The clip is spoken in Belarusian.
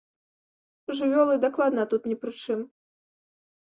Жывёлы дакладна тут не пры чым.